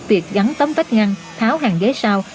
việc gắn tấm vách ngăn tháo hàng ghế sau